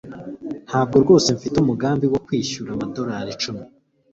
ntabwo rwose mfite umugambi wo kwishyura amadorari icumi